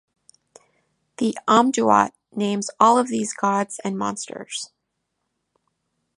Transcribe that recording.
The "Amduat" names all of these gods and monsters.